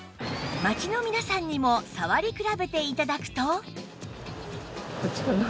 町の皆さんにも触り比べて頂くと